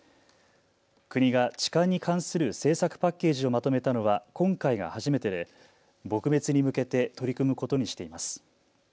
国が痴漢に関する政策パッケージをまとめたのは今回が初めてで撲滅に向けて取り組むことにしています。